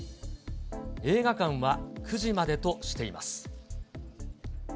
映画館は９時までとしています。